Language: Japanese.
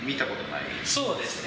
そうですね。